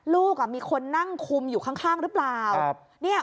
ลูกมีคนนั่งคุมอยู่ข้างหรือเปล่า